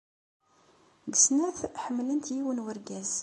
Deg snat ḥemmlent yiwen n urgaz.